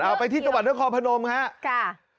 เอาไปที่จัวร์ทศพพนมค่ะ